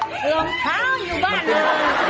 รองเท้าอยู่บ้านเลย